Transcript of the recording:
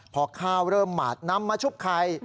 พอข้าวเริ่มหมาดนำมาชุบไข่